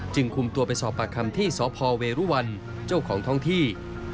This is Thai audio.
คุมตัวไปสอบปากคำที่สพเวรุวันเจ้าของท้องที่